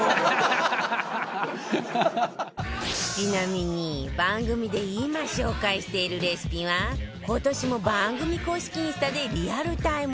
ちなみに番組で今紹介しているレシピは今年も番組公式インスタでリアルタイムに更新してくわよ